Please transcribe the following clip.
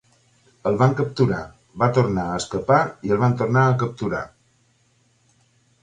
El van capturar, va tornar a escapar i el van tornar a capturar.